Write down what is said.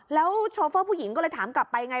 แล้วโชเฟอร์ผู้หญิงก็เลยถามกลับไปไง